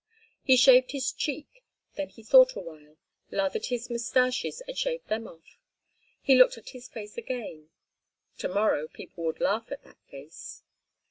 He shaved his cheek; then he thought awhile, lathered his moustaches, and shaved them off. He looked at his face again. To morrow people would laugh at that face.